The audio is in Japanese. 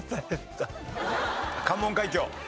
関門海峡。